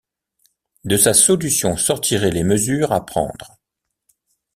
De sa solution sortiraient les mesures à prendre.